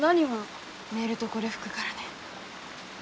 寝るとこれ吹くからね。